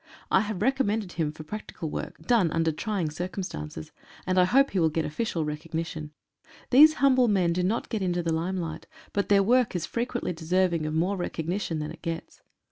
I have recommended him for practical work, done under trying circumstances, and I hope he will get official recognition. These humble men do not get into the limelight, but their work is frequently deserving of more recognition than it gets.